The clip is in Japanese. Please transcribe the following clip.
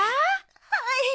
はい。